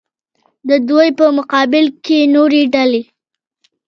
د دوی په مقابل کې نورې ډلې.